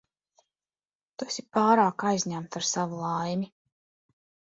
Tu esi pārāk aizņemta ar savu laimi.